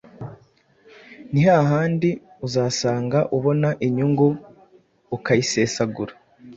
ni hahandi uzasanga ubona inyungu ukayisesagura